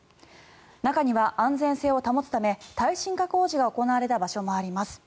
中には安全性を保つため耐震化工事が行われた場所もあります。